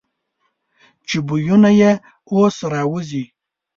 چې بویونه یې اوس را وځي.